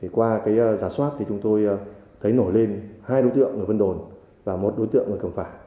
qua giả soát chúng tôi thấy nổi lên hai đối tượng ở vân đồn và một đối tượng người cầm phả